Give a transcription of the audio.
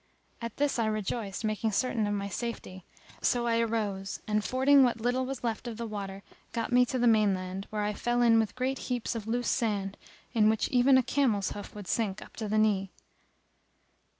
At this I rejoiced making certain of my safety; so I arose and fording what little was left of the water got me to the mainland, where I fell in with great heaps of loose sand in which even a camel's hoof would sink up to the knee.